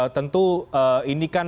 tentu ini kan diselenggarakan